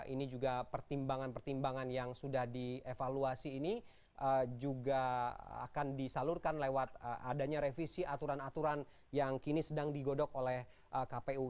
ini juga pertimbangan pertimbangan yang sudah dievaluasi ini juga akan disalurkan lewat adanya revisi aturan aturan yang kini sedang digodok oleh kpu